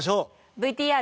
ＶＴＲ。